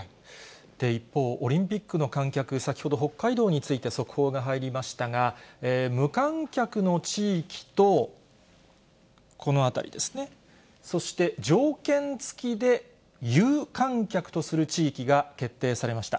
一方、オリンピックの観客、先ほど北海道について速報が入りましたが、無観客の地域と、この辺りですね、そして条件付きで有観客とする地域が決定されました。